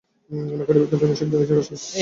নৌকাডুবির ঘটনায় শোক জানিয়েছেন রাষ্ট্রপতি।